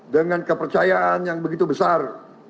dengan kepercayaan yang begitu besar